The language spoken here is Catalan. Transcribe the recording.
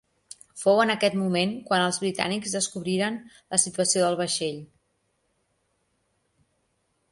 Fou en aquest moment quan els britànics descobriren la situació del vaixell.